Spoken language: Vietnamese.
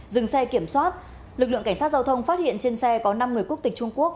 dừng xe kiểm soát lực lượng cảnh sát giao thông phát hiện trên xe có năm người quốc tịch trung quốc